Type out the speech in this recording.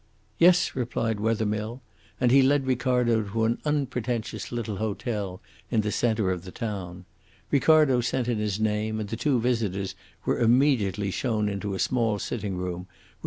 "Yes," replied Wethermill, and he led Ricardo to an unpretentious little hotel in the centre of the town. Ricardo sent in his name, and the two visitors were immediately shown into a small sitting room, where M.